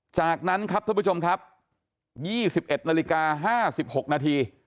จากนั้นครับท่านผู้ชมครับยี่สิบเอ็ดนาฬิกาห้าสิบหกนาที